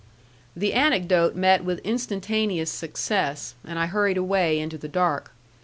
The anecdote met with instantaneous success, and I hurried away into the dark.